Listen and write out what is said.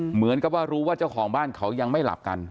เหมือนกับว่ารู้ว่าเจ้าของบ้านเขายังไม่หลับกัน